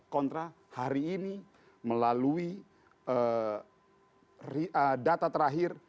kontra hari ini melalui data terakhir